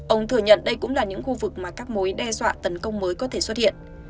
ông thừa nhận đây cũng là những khu vực mà các mối đe dọa tấn công mới có thể xuất hiện